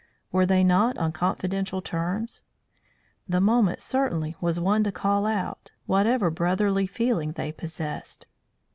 Were they not on confidential terms? The moment certainly was one to call out whatever brotherly feeling they possessed.